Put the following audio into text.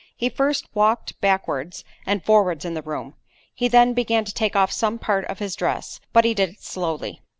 He first walked backwards and forwards in the room—he then began to take off some part of his dress, but he did it slowly.